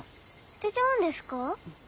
捨てちゃうんですか？